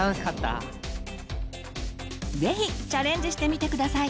是非チャレンジしてみて下さい。